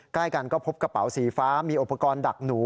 ใกล้กันก็พบกระเป๋าสีฟ้ามีอุปกรณ์ดักหนู